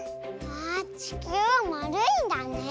わあちきゅうはまるいんだね。